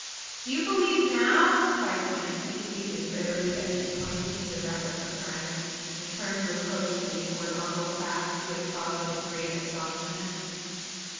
"Do you believe now?" cried Fancy, weeping bitterly, as she pointed to the wreck of her friend, and turned reproachfully toward Uncle Fact, who had followed in great astonishment.